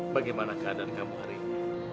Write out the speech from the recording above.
bagaimana keadaan kamu hari ini